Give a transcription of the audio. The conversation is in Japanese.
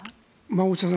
大下さん